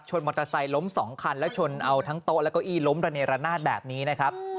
มอเตอร์ไซค์ล้มสองคันและชนเอาทั้งโต๊ะและเก้าอี้ล้มระเนรนาศแบบนี้นะครับ